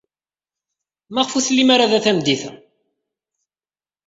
Maɣef ur tellim ara da tameddit-a?